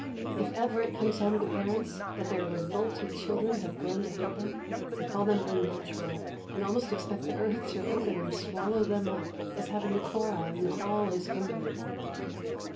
If ever it comes home to parents that their revolted children have grown to hate them, they call them "unnatural," and almost expect the earth to open and swallow them up, as happened to Korah and all his company.